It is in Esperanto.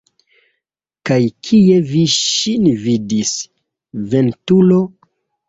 Kaj kie vi ŝin vidis, ventulo?